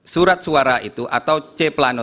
surat suara itu atau c planet